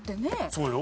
そうよ。